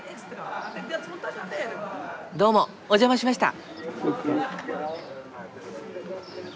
どうもお邪魔しました。